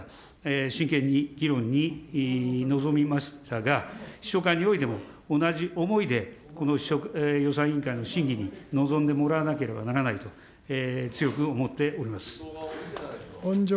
真剣に議論に臨みましたが、秘書官においても同じ思いでこの予算委員会の審議に臨んでもらわなければならないと、強く思っております。